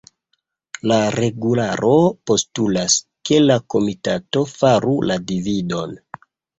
la regularo postulas, ke la komitato faru la dividon.